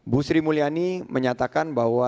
bu sri mulyani menyatakan bahwa